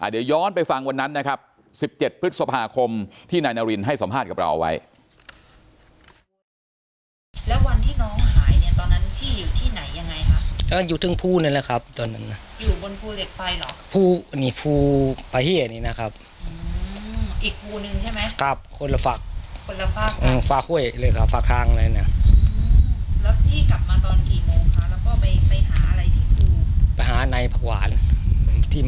เดี๋ยวย้อนไปฟังวันนั้นนะครับ๑๗พฤษภาคมที่นายนารินให้สัมภาษณ์กับเราเอาไว้